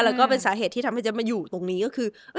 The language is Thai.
แล้วก็เป็นสาเหตุที่ทำให้เจ๊บมาอยู่ตรงนี้ก็คือ